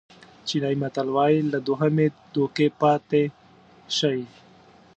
چینایي متل وایي له دوهمې دوکې پاتې شئ.